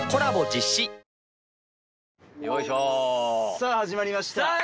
さぁ始まりました。